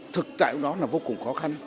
lúc đó là vô cùng khó khăn